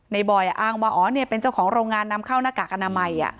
บอยอ้างว่าอ๋อเนี่ยเป็นเจ้าของโรงงานนำเข้าหน้ากากอนามัย